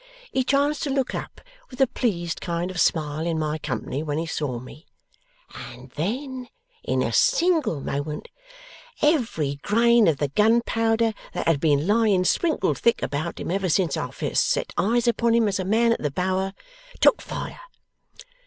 He chanced to look up with a pleased kind of smile in my company when he saw me, and then in a single moment every grain of the gunpowder that had been lying sprinkled thick about him ever since I first set eyes upon him as a man at the Bower, took fire!